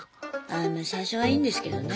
あま最初はいいんですけどね